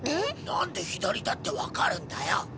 なんで左だってわかるんだよ！？